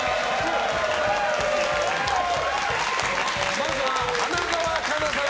まずは、花澤香菜さん。